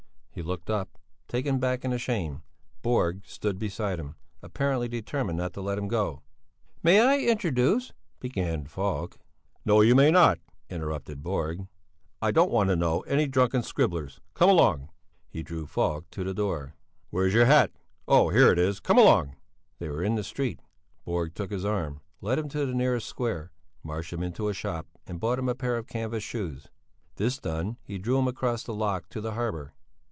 He looked up, taken back and ashamed. Borg stood beside him, apparently determined not to let him go. "May I introduce...." began Falk. "No, you may not," interrupted Borg, "I don't want to know any drunken scribblers, come along." He drew Falk to the door. "Where's your hat? Oh, here it is! Come along!" They were in the street. Borg took his arm, led him to the nearest square, marched him into a shop and bought him a pair of canvas shoes. This done, he drew him across the lock to the harbour.